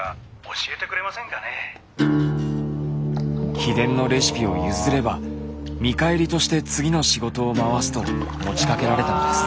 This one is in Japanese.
秘伝のレシピを譲れば見返りとして次の仕事を回すと持ちかけられたのです。